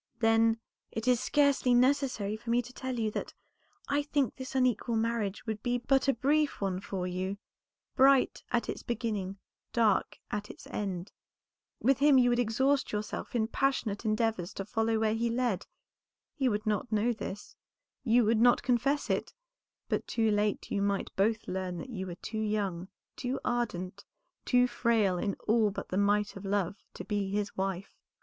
"Then, it is scarcely necessary for me to tell you that I think this unequal marriage would be but a brief one for you; bright at its beginning, dark at its end. With him you would exhaust yourself in passionate endeavors to follow where he led. He would not know this, you would not confess it, but too late you might both learn that you were too young, too ardent, too frail in all but the might of love, to be his wife.